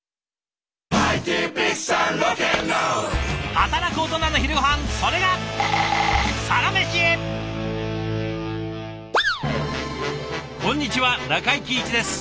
働くオトナの昼ごはんそれがこんにちは中井貴一です。